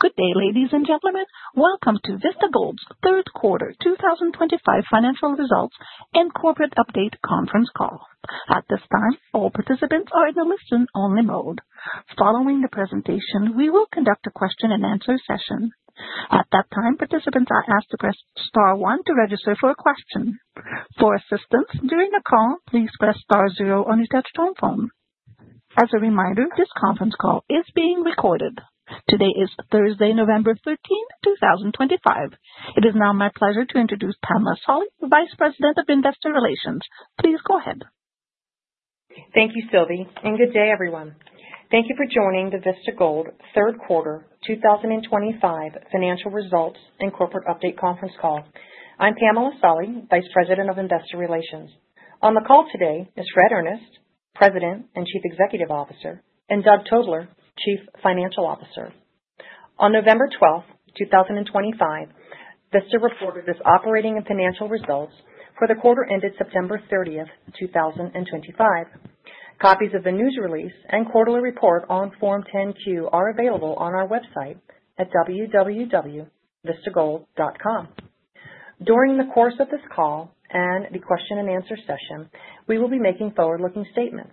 Good day. Ladies and gentlemen. Welcome to Vista Gold's third quarter 2025 Financial Results and Corporate Update conference call. At this time, all participants are in the listen only mode. Following the presentation, we will conduct a question and answer session. At that time, participants are asked to press star one to register for a question. For assistance during the call, please press star zero on your touch-tone phone. As a reminder, this conference call is being recorded. Today is Thursday, November 13, 2025. It is now my pleasure to introduce Pamela Solly, Vice President of Investor Relations. Please go ahead, Pamela. Thank you, Sylvie, and good day everyone. Thank you for joining the Vista Gold third quarter 2025 Financial Results and Corporate Update conference call. I'm Pamela Solly, Vice President of Investor Relations. On the call today is Fred Earnest, President and Chief Executive Officer, and Doug Tobler, Chief Financial Officer. On November 12, 2025, Vista reported its operating and Financial Results for the quarter ended September 30th, 2025. Copies of the News Release and quarterly report on Form 10-Q are available on our website at www.vistagold.com. During the course of this call and the question and answer session, we will be making Forward-Looking Statements.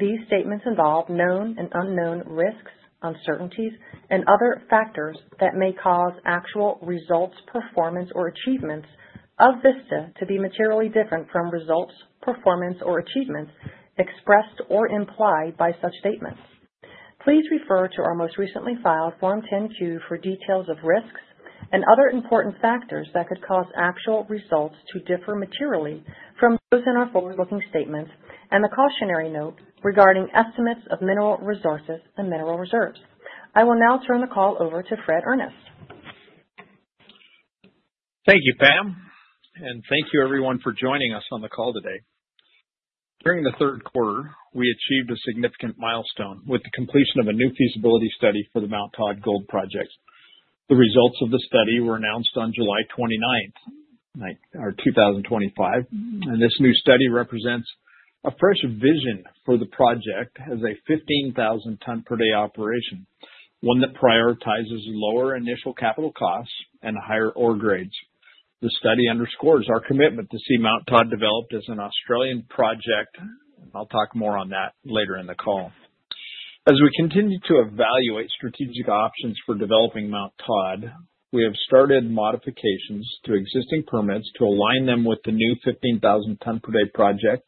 These Statements involve known and unknown Risks, Uncertainties, and other Factors that may cause actual Results, Performance, or Achievements of Vista to be materially different from Results, Performance, or Achievements expressed or implied by such statements. Please refer to our most recently filed Form 10-Q for details of risks and other important factors that could cause Actual Results to differ materially from those in our Forward Looking Statements and the Cautionary Note regarding estimates of Mineral Resources and Mineral Reserves. I will now turn the call over to Fred Earnest. Thank you Pam and thank you everyone for joining us on the call today. During the third quarter we achieved a significant milestone with the completion of a new Feasibility Study for the Mt Todd Gold Project. The results of the study were announced on July 29th, 2025 and this new study represents a fresh vision for the project as a 15,000 ton per day operation, one that prioritizes lower initial Capital Costs and higher Ore Grades. The study underscores our commitment to see Mt Todd developed as an Australian Project. I'll talk more on that later in the call. As we continue to evaluate strategic options for developing Mt Todd. We have started Modifications to existing permits to align them with the new 15,000 ton per day project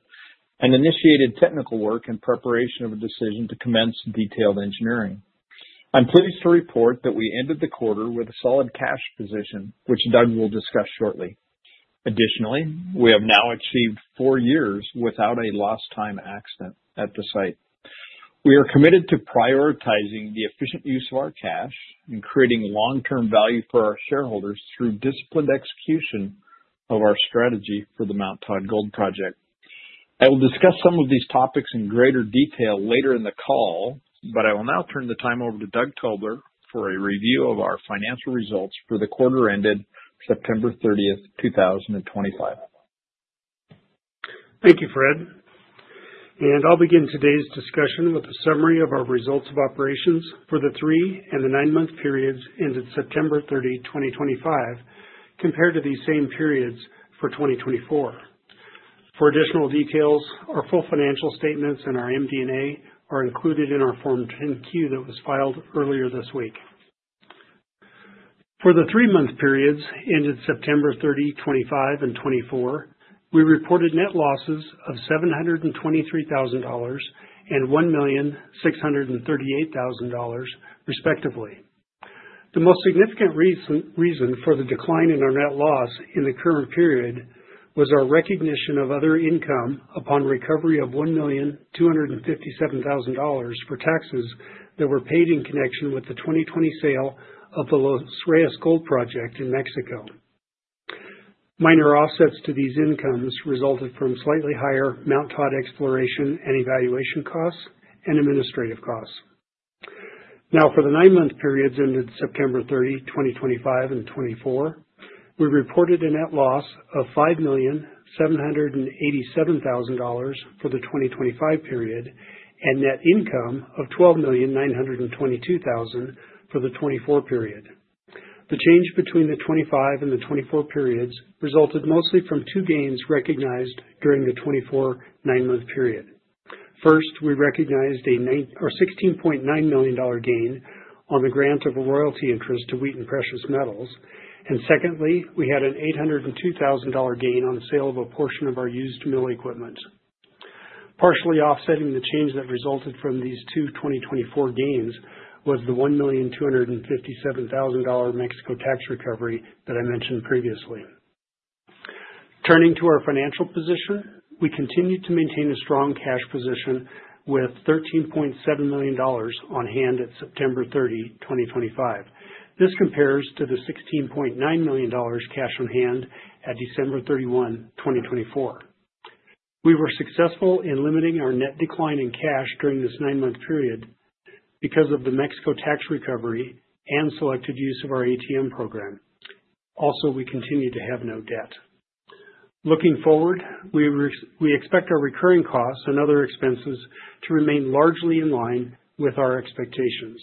and initiated Technical Work in preparation of a decision to commence detailed engineering. I'm pleased to report that we ended the quarter with a Solid Cash Position, which Doug will discuss shortly. Additionally, we have now achieved four years without a lost time accident at the site. We are committed to prioritizing the efficient use of our cash and creating long-term value for our Shareholders through Disciplined Execution of our strategy for the Mt Todd Gold Project. I will discuss some of these topics in greater detail later in the call, but I will now turn the time over to Doug Tobler for a review of our Financial Results for the quarter ended September 30th, 2025. Thank you, Fred, and I'll begin today's discussion with a summary of our Results of Operations for the three and the nine month periods ended September 30, 2025 compared to these same periods for 2024. For additional details, our full Financial Statements and our MD&A are included in our Form 10-Q that was filed earlier. For the three month periods ended September 30, 2025 and 2024, we reported Net Losses of $723,000 and $1,638,000 respectively. The most significant reason for the decline in our net loss in the current period was our recognition of other income upon recovery of $1,257,000 for taxes that were paid in connection with the 2020 sale of the Los Reyes Gold Project in Mexico. Minor offsets to these incomes resulted from slightly higher Mt Todd Exploration and Evaluation Costs and Administrative Costs. Now, for the nine month periods ended September 30, 2025 and 2024, we reported a Net Loss of $5,787,000 for the 2025 period and Net Income of $12,922,000 for the 2024 period. The change between the 2025 and the 2024 periods resulted mostly from two gains recognized during the 2024 nine month period. First, we recognized a $16.9 million gain on the grant of a royalty interest to Wheaton Precious Metals and secondly, we had an $802,000 gain on sale of a portion of our used Mill Equipment. Partially offsetting the change that resulted from these two 2024 gains was the $1,257,000 Mexico tax recovery that I mentioned previously. Turning to our Financial Position, we continue to maintain a strong cash position with $13.7 million on hand at September 30, 2025. This compares to the $16.9 million cash on hand at December 31, 2024. We were successful in limiting our net decline in cash during this nine month period because of the Mexico Tax Recovery and selected use of our ATM Program. Also, we continue to have no debt. Looking forward, we expect our recurring costs and other expenses to remain largely in line with our expectations.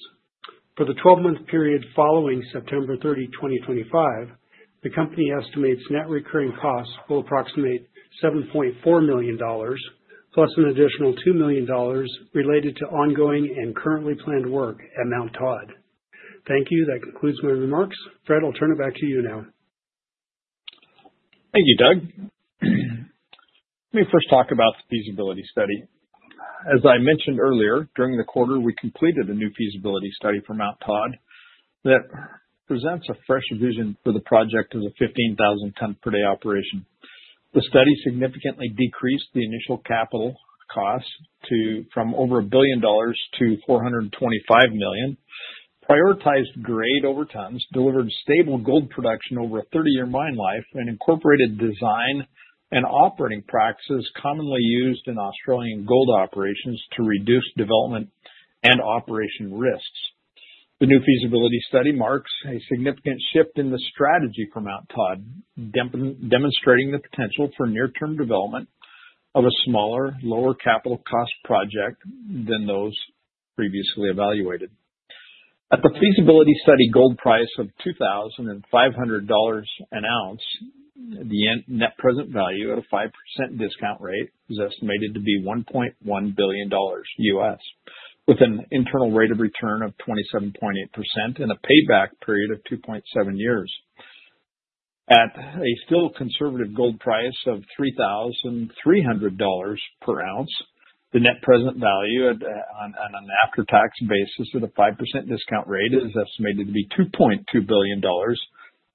For the 12 month period following September 30, 2025, the company estimates net recurring costs will approximate $7.4 million plus an additional $2 million related to ongoing and currently planned work at Mt Todd. Thank you. That concludes my remarks, Fred. I'll turn it back to you now. Thank you, Doug. Let me first talk about the Feasibility Study. As I mentioned earlier, during the quarter we completed a new Feasibility Study for Mt Todd that presents a fresh vision for the project. As a 15,000 ton per day operation, the study significantly decreased the initial capital costs from over $1 billion to $425 million, prioritized grade over tons, delivered stable Gold Production over a 30 year Mine Life, and incorporated Design and Operating Practices commonly used in Australian Gold Operations to reduce Development and Operation Risks. The new Feasibility Study marks a significant shift in the strategy for Mt Todd, demonstrating the potential for near term development of a smaller, lower capital cost project than those previously evaluated. At the Feasibility Study Gold Price of $2,500 an ounce, the Net Present Value at a 5% Discount Rate is estimated to be $1.1 billion U.S. with an Internal Rate of Return of 27.8% and a payback period of 2.7 years. At a still Conservative Gold Price of $3,300 per ounce, the Net Present Value on an after tax basis at a 5% Discount Rate is estimated to be $2.2 billion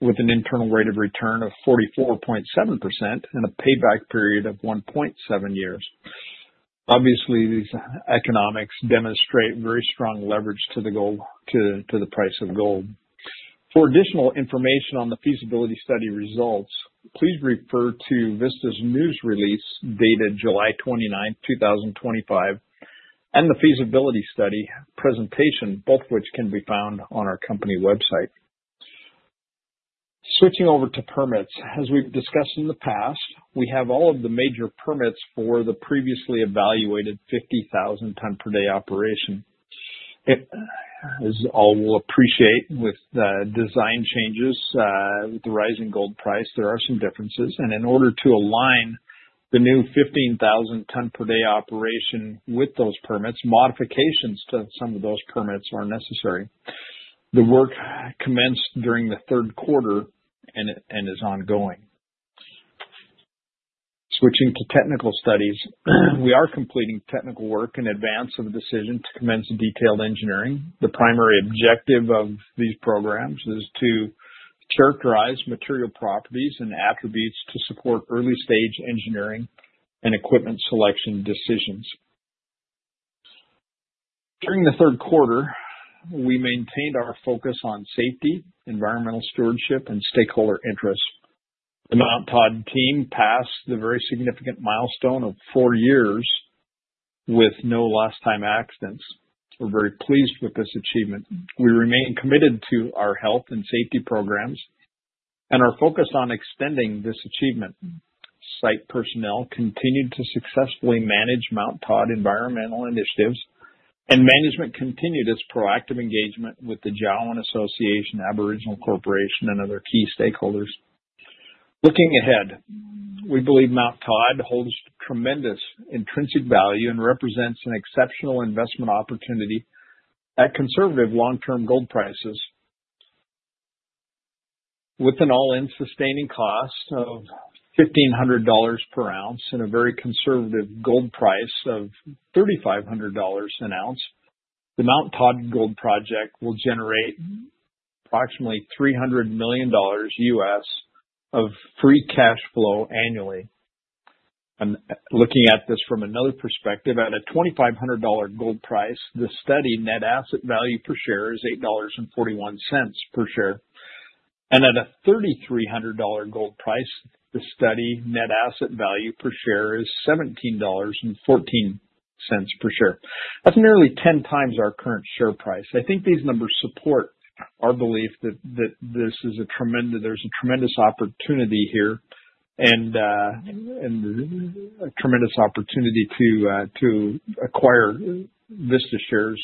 with an Internal Rate of Return of 44.7% and a payback period of 1.7 years. Obviously, these economics demonstrate very strong leverage to the price of Gold. For additional information on the Feasibility Study Results, please refer to Vista's news release dated July 29, 2025 and the Feasibility Study Ppresentation, both of which can be found on our company website. Switching over to Permits as we've discussed in the past, we have all of the major Permits for the previously evaluated 50,000 ton per day operation. As all will appreciate with the design changes, with the rising Gold Price, there are some differences and in order to align the new 15,000 ton per day operation with those Permits, modifications to some of those Permits are necessary. The work commenced during the third quarter and is ongoing. Switching to Technical Studies, we are completing technical work in advance of the decision to commence detailed engineering. The primary objective of these programs is to characterize material properties and attributes to support Early Stage Engineering and Equipment Selection Decisions. During the third quarter, we maintained our focus on Safety, Environmental Stewardship, and Stakeholder Interests. The Mt Todd Team passed the very significant milestone of four years with no lost time accidents. We're very pleased with this achievement. We remain committed to our Health and Safety Programs and are focused on extending this achievement. Site personnel continued to successfully manage Mt Todd Environmental Initiatives and management continued its proactive engagement with the Jawoyn Association Aboriginal Corporation and other Key Stakeholders. Looking ahead, we believe Mt Todd holds tremendous intrinsic value and represents an exceptional Investment Opportunity at conservative long Gold Prices. with an all-in sustaining cost of $1,500 per ounce and a very conservative Gold Price of $3,500 an ounce, the Mt Todd Gold Project will generate approximately $300 million U.S. of free cash flow annually. Looking at this from another perspective, at a $2,500 Gold Price, the study net asset value per share is $8.41 per share and at a $3,300 Gold Price, the study Net Asset Value per share is $17.14 per share. That's nearly 10 times our current share price. I think these numbers support our belief there's a tremendous opportunity here and a tremendous opportunity to acquire Vista shares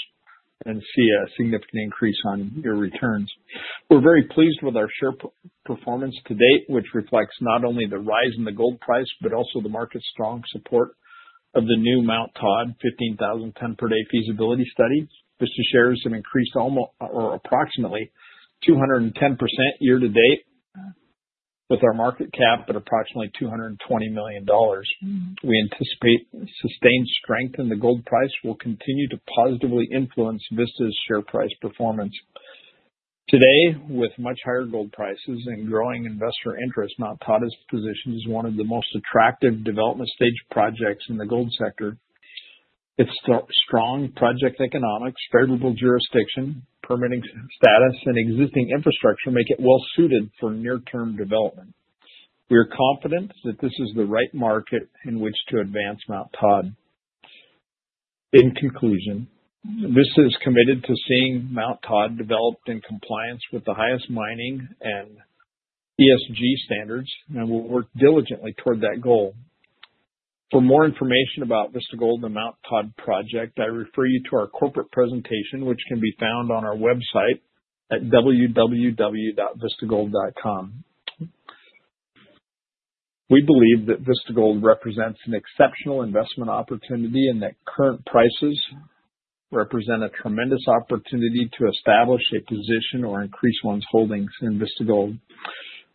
and see a significant increase on your returns. We're very pleased with our share performance to date, which reflects not only the rise in the Gold Price but also the market strong support of the new Mt Todd 15,000 ton per day Feasibility Study. Vista shares have increased or approximately 210% year to date. With our market cap at approximately $220 million, we anticipate sustained strength in the Gold Price will continue to positively influence Vista's Share Price Performance. Today, with much Gold Prices and growing investor interest, Mt Todd is positioned as one of the most attractive development stage projects in the Gold Sector. Its strong project Economics, favorable Jurisdiction, permitting Status and existing Infrastructure make it well suited for near term development. We are confident that this is the right market in which to advance Mt Todd. In conclusion, Vista is committed to seeing Mt Todd developed in compliance with the highest mining and ESG standards and will work diligently toward that goal. For more information about Vista Gold and the Mt Todd Project, I refer you to our corporate presentation which can be found on our website at www.vistagold.com. We believe that Vista Gold represents an exceptional investment opportunity and that current prices represent a tremendous opportunity to establish a position or increase one's holdings in Vista Gold.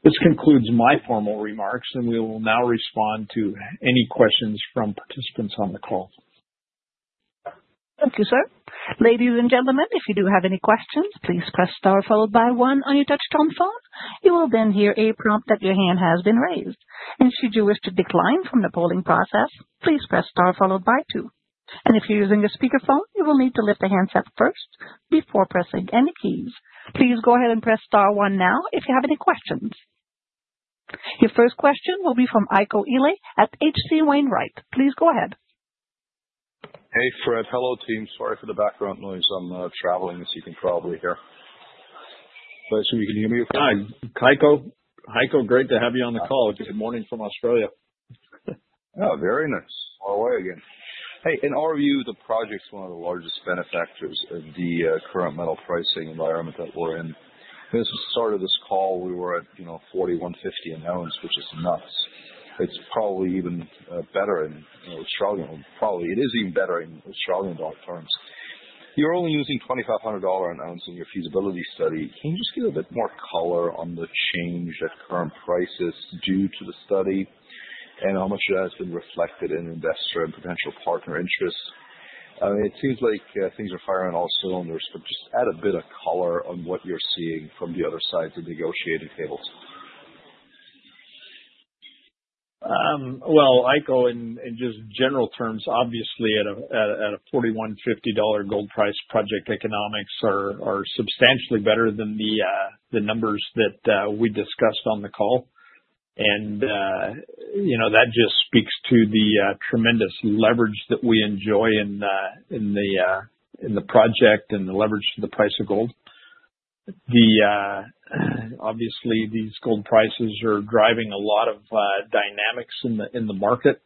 This concludes my formal remarks and we will now respond to any questions from participants on the call. Thank you, sir. Ladies and gentlemen, if you do have any questions, please press star followed by one on your touch-tone phone. You will then hear a prompt that your hand has been raised, and should you wish to decline from the polling process, please press star followed by two. If you're using a speakerphone, you will need to lift the handset first ,before pressing any keys. Please go ahead and press star one now. If you have any questions, your first question will be from Heiko Ihle at H.C. Wainwright. Please go ahead. Hey, Fred. Hello, team. Sorry for the background noise. I'm traveling as you can probably hear. You can hear me, okay? Hi, Heiko. Great to have you on the call. Good morning from Australia. Very nice. Hey. In our view, the project's one of the largest Benefactors of the current Metal Pricing environment that we're in. This was the start of this call. We were at $4,150 an ounce, which is nuts. It's probably even better in Australia. Probably. It is even better in Australian dollar terms. You're only using $2,500 an ounce in your Feasibility Study. Can you just give a bit more color on the change at current prices due to the study and how much that has been reflected in investor and potential partner interests? It seems like things are firing on all cylinders. Just add a bit of color on what you're seeing from the other sides of negotiating tables. Heiko, in just general terms, obviously at a $4,150 Gold Price, Project Economics are substantially better than the numbers that we discussed on the call. That just speaks to the tremendous leverage that we enjoy in the project and the leverage to the price of Gold. Obviously, Gold Prices are driving a lot of dynamics in the market.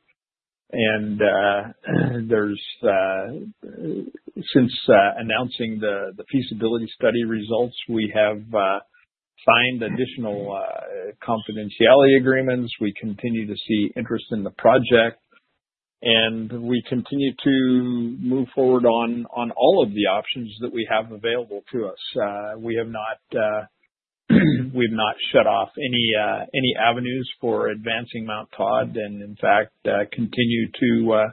Since announcing the Feasibility Study Results, we have signed additional confidentiality agreements. We continue to see interest in the project, and we continue to move forward on all of the options that we have available to us. We've not shut off any avenues for advancing Mt Todd and in fact, continue to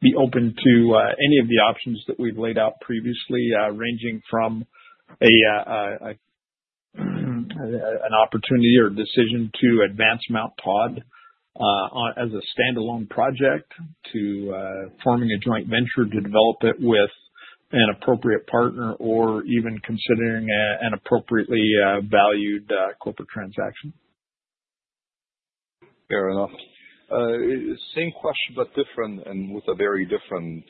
be open to any of the options that we've laid out previously, ranging from an opportunity or decision to advance Mt Todd as a standalone project to forming a joint venture to develop it with an appropriate partner, or even considering an appropriately valued Corporate Transaction. Fair enough. Same question, but different and with a very different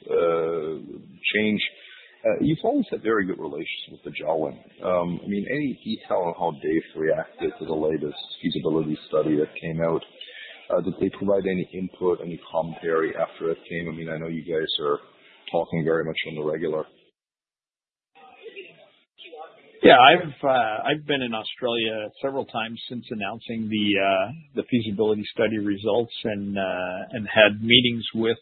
change. You've always had very good relations with the Jawoyn. I mean, any details how Dave reacted to the latest Feasibility Study that came out? Did they provide any input, any commentary after it came? I mean, I know you guys are talking very much on the regular. Yeah, I've been in Australia several times since announcing the Feasibility Study results and had meetings with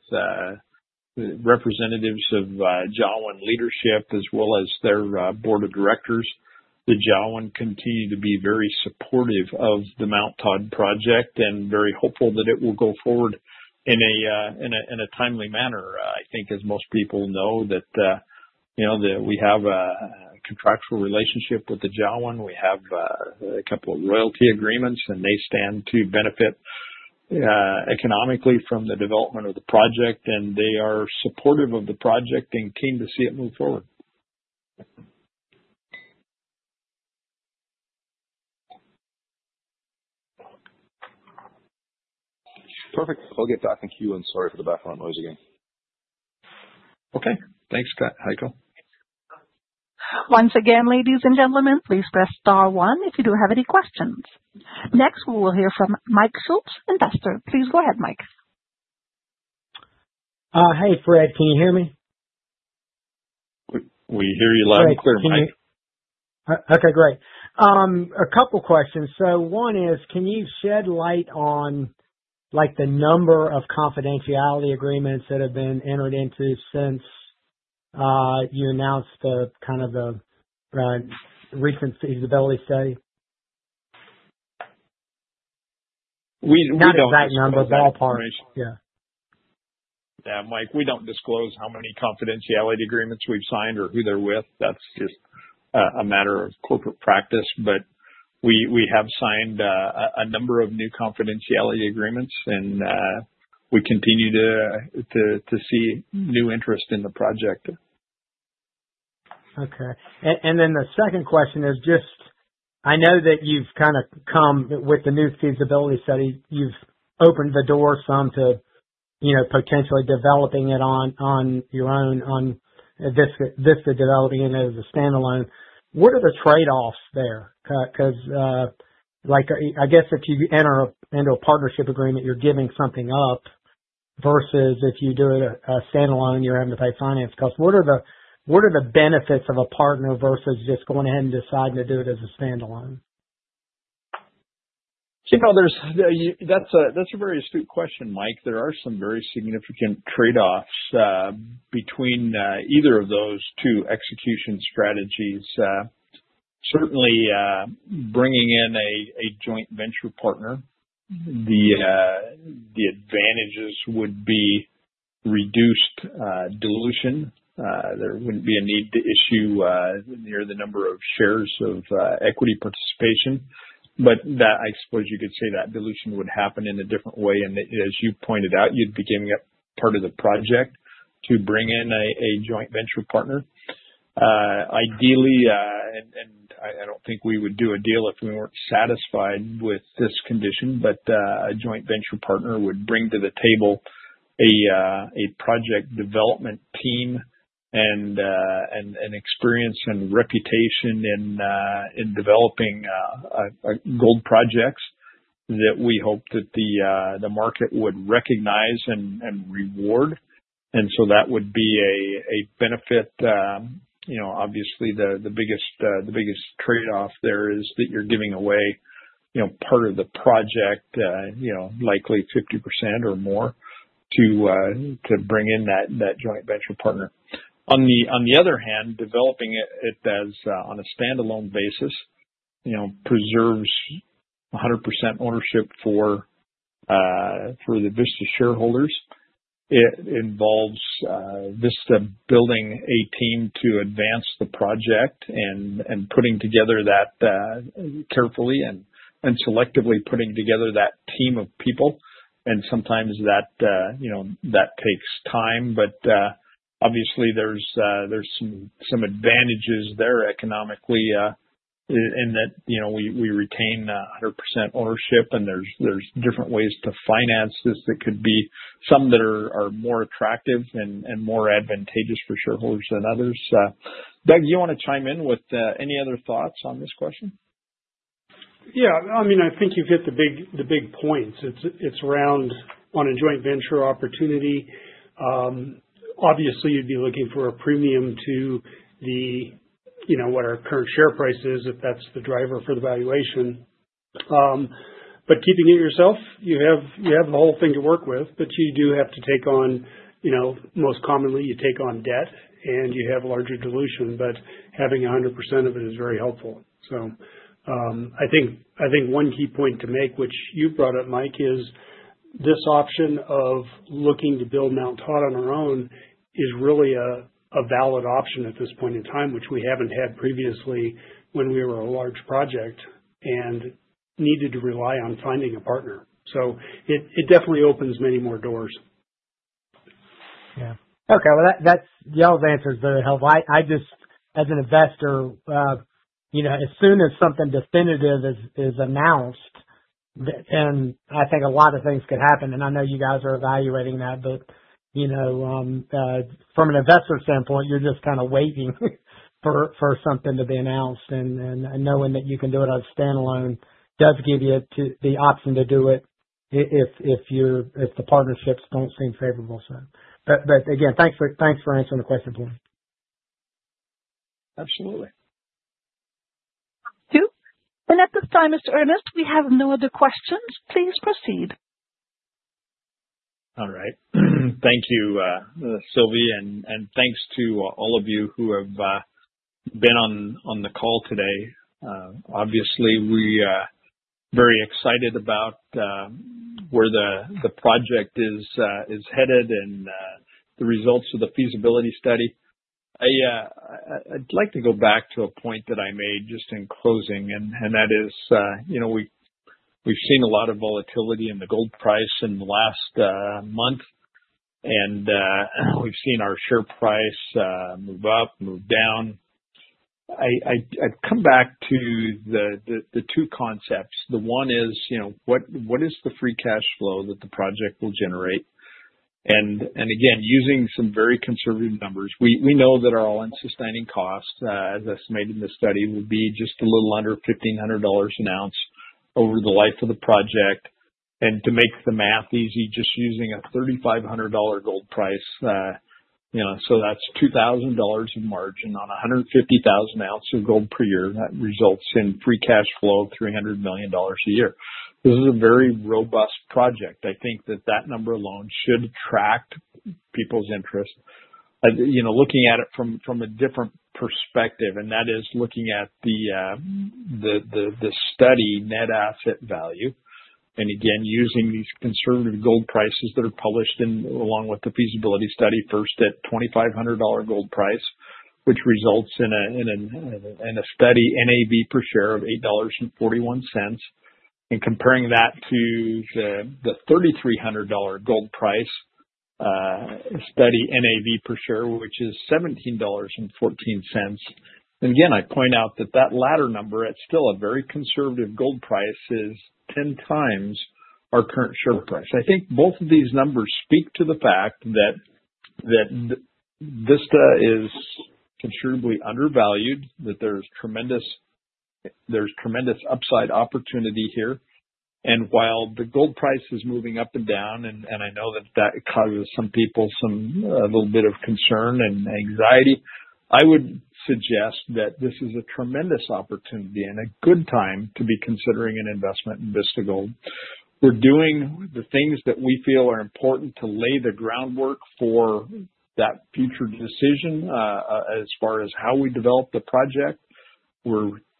representatives of Jawoyn Leadership as well as their Board of Directors. The Jawoyn continue to be very supportive of the Mt Todd Project and very hopeful that it will go forward in a timely manner. I think, as most people know, that we have a contractual relationship with the Jawoyn. We have a couple of royalty agreements, and they stand to benefit economically from the development of the project, and they are supportive of the project and keen to see it move forward. Perfect. I'll get back in queue. Sorry for the background noise again. Okay, thanks, Heiko. Once again, ladies and gentlemen, please press star one if you do have any questions. Next we will hear from Mike Schultz and Buster. Please go ahead, Mike. Hey, Fred, can you hear me? We hear you loud and clear, Mike. Okay, great. A couple questions. One is, can you shed light on, like, the number of Confidentiality Agreements that have been entered into since you announced kind of the recent Feasibility Study? Not exact number. Ballpark. Yeah. Mike, we don't disclose how many confidentiality agreements we've signed or who they're with. That's just a matter of corporate practice. We have signed a number of new confidentiality agreements, and we continue to see new interest in the project. Okay, and then the second question is just I know that you've kind of come with the new Feasibility Study. You've opened the door some to, you know, potentially developing it on your own on Vista, developing it as a standalone. What are the trade offs there? Because, like, I guess if you enter into a partnership agreement, you're giving something up versus if you do it a standalone, you're having to pay finance costs. What are the. What are the benefits of a partner versus just going ahead and deciding to do it as a stand alone? That's a very astute question, Mike. There are some very significant trade offs between either of those two Execution Strategies. Certainly bringing in a joint venture partner, the advantages would be reduced dilution. There would not be a need to issue near the number of shares of Equity Participation. I suppose you could say that dilution would happen in a different way. As you pointed out, you would be giving up part of the project to bring in a joint venture partner. Ideally, I do not think we would do a deal if we were not satisfied with this condition, but a joint venture partner would bring to the table a project development team and experience and reputation in developing Gold Projects that we hope the market would recognize and reward. That would be a benefit. Obviously, the biggest trade off there is that you're giving away part of the project, likely 50% or more, to bring in that joint venture partner. On the other hand, developing it on a standalone basis preserves 100% ownership for the Vista Shareholders. It involves Vista building a team to advance the project and carefully and selectively putting together that team of people. Sometimes that takes time. Obviously, there are some advantages there economically in that we retain 100% ownership. There are different ways to finance this that could be some that are more attractive and more advantageous for Shareholders than others. Doug, you want to chime in with any other thoughts on this question? Yes. I mean, I think you've hit the big points. It's around on a joint venture opportunity, obviously you'd be looking for a premium to what our current share price is, if that's the driver for the valuation. But keeping it yourself, you have the whole thing to work with. You do have to take on, most commonly you take on debt and you have larger dilutions, but having 100% of it is very helpful. I think one key point to make, which you brought up, Mike, is this option of looking to build Mt Todd on our own is really a valid option at this point in time, which we haven't had previously when we were a large project and needed to rely on finding a partner. It definitely opens many more doors. Okay, that's y'all's answer is very helpful. I just, as an investor, you know, as soon as something definitive is announced, and I think a lot of things could happen, and I know you guys are evaluating that, but you know, from an investor standpoint, you're just kind of waiting for something to be announced and knowing that you can do it on a standalone does give you the option to do it if the partnerships do not seem favorable. Again, thanks for answering the question for me. Absolutely. Thank you. At this time, Mr. Earnest, we have no other questions. Please proceed. All right, thank you, Sylvie, and thanks to all of you who have been on the call today. Obviously, we're very excited about where the project is headed and the results of the Feasibility Study. I'd like to go back to a point that I made just in closing, and that is we've seen a lot of volatility in the Gold Price in the last month and we've seen our share price move up, move down. I come back to the two concepts. The one is, what is the free cash flow that the project will generate? And again, using some very conservative numbers, we know that our all-in sustaining cost as estimated in the study will be just a little under $1,500 an ounce over the life of the project. To make the math easy, just using a $3,500 Gold Price. That's $2,000 of margin on 150,000 ounces of Gold per year. That results in free cash flow, $300 million a year. This is a very robust project. I think that that number alone should attract people's interest. Looking at it from a different perspective, and that is looking at the study Net Asset Value, and again, using these Gold Prices that are published along with the Feasibility Study, first at $2,500, which results in a steady NAV per share of $8.41. Comparing that to the $3,300 Gold Price study NAV per share, which is $17.14, again, I point out that that latter number, it's still a very conservative Gold Price, is 10 times our current share price. I think both of these numbers speak to the fact that Vista is considerably undervalued, that there's tremendous upside opportunity here. While the Gold Price is moving up and down, and I know that that causes some people a little bit of concern and anxiety, I would suggest that this is a tremendous opportunity and a good time to be considering an investment in Vista Gold. We're doing the things that we feel are important to lay the groundwork for that future decision. As far as how we develop the project, we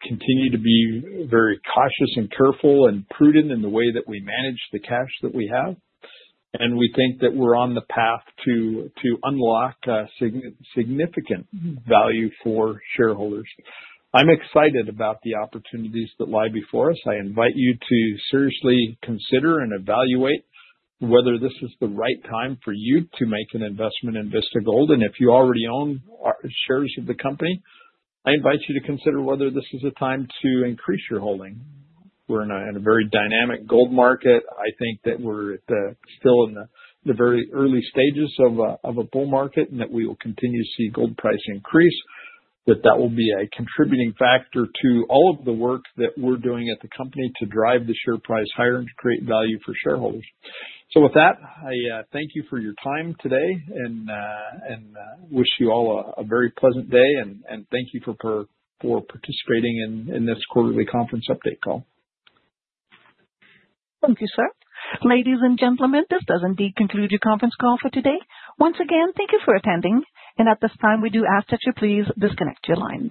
continue to be very cautious and careful and prudent in the way that we manage the cash that we have. We think that we're on the path to unlock significant value for shareholders. I'm excited about the opportunities that lie before us. I invite you to seriously consider and evaluate whether this is the right time for you to make an investment in Vista Gold. If you already own shares of the company, I invite you to consider whether this is a time to increase your holding. We're in a very dynamic Gold Market. I think that we're still in the very early stages of a bull market and that we will continue to see Gold Price increase. That will be a contributing factor to all of the work that we're doing at the company to drive the share price higher and to create value for shareholders. With that, I thank you for your time today and wish you all a very pleasant day and thank you for participating in this quarterly conference update call. Thank you, sir. Ladies and gentlemen, this does indeed conclude your conference call for today. Once again, thank you for attending. At this time, we do ask that you please disconnect your lines.